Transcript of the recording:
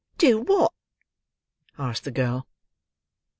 "Do what?" asked the girl.